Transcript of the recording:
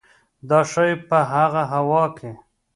دا ښايي په هغه هوا کې